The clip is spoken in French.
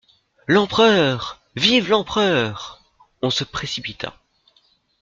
L'Empereur !… vive l'Empereur !… On se précipita.